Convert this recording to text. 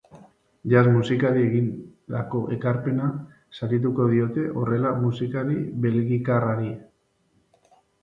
Jazz musikari egindako ekarpena sarituko diote horrela musikari belgikarrari.